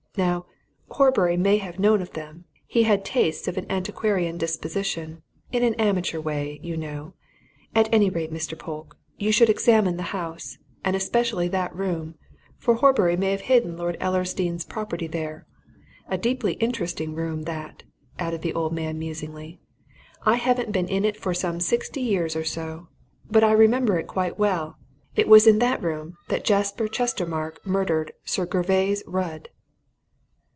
Now, Horbury may have known of them he had tastes of an antiquarian disposition in an amateur way, you know. At any rate, Mr. Polke, you should examine the house and especially that room, for Horbury may have hidden Lord Ellersdeane's property there. A deeply interesting room that!" added the old man musingly. "I haven't been in it for some sixty years or so, but I remember it quite well. It was in that room that Jasper Chestermarke murdered Sir Gervase Rudd."